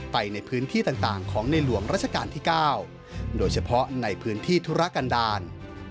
ไปในพื้นที่ต่างของในหลวงราชการที่๙โดยเฉพาะในพื้นที่ธุรกันดาล